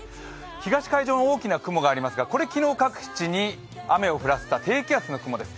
東海上に大きな雲がありますが、これは昨日、各地に雨を降らせた低気圧の雲です。